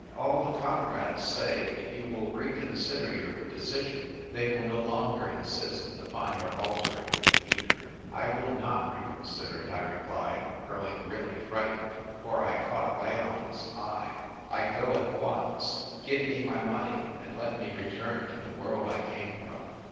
" All the comrades say, if j'ou will reconsider your decision, they v/ill no longer insist upon your altering your demeanour." " I will not reconsider it/' I replied, grow ing really frightened, for I caught Leon's eye. " I go at once. Give nie my money, and let me return to the world I came from."